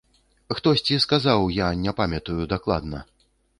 Хтосьці сказаў, я не памятаю дакладна.